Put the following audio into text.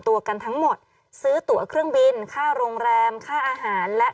ตัวกันทั้งหมดซื้อตัวเครื่องบินค่าโรงแรมค่าอาหารและ